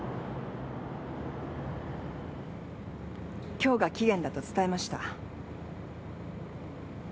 今日が期限だと伝えました。